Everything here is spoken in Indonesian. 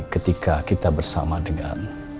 ketika kita bersama dengan